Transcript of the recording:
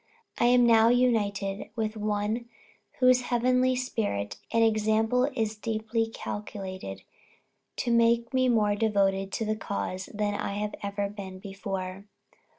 I am now united with one whose heavenly spirit and example is deeply calculated to make me more devoted to the cause than I ever have been before.